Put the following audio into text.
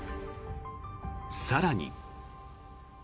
更に。